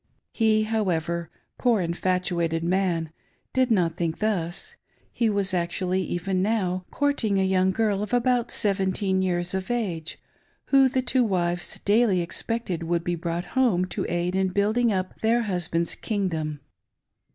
He, how ever, poor infatuated man, did not think thus ; he was. actually even now courting a young girl of about seventeen years of age, who the two wives daily expected would be brought home to jaid in building up their husband's " Kingdom."